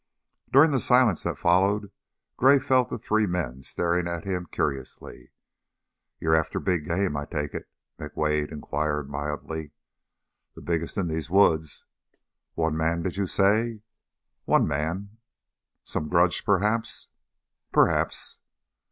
During the silence that followed, Gray felt the three men staring at him curiously. "You're after big game, I take it?" McWade inquired, mildly. "The biggest in these woods." "One man, did you say?" "One man." "Some grudge, perhaps?" "Perhaps."